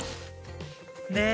ねえ。